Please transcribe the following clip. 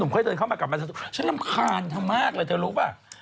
เคยเดินเข้ามากลับมาฉันรำคาญเธอมากเลยเธอรู้ป่ะ